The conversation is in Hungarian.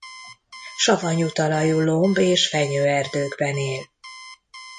Savanyú talajú lomb- és fenyőerdőkben él.